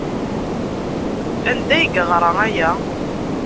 Anda ay yeɣra aya?